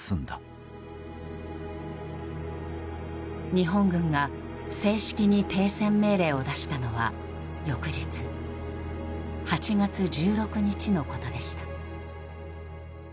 日本軍が正式に停戦命令を出したのは翌日８月１６日のことでした。